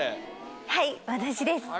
はい私です。